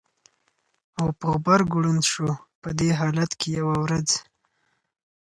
او په غبرګو ړوند شو! په دې حالت کې یوه ورځ